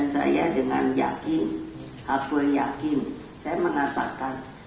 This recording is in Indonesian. saya dengan yakin hapul yakin saya mengatakan